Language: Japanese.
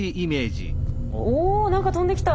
お何か飛んできた。